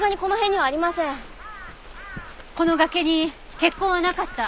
この崖に血痕はなかった。